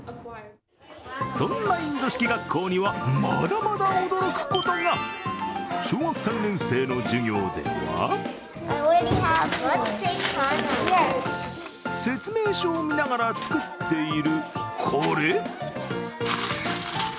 そんなインド式学校には、まだまだ驚くことがる小学３年生の授業では説明書を見ながら作っているこれ。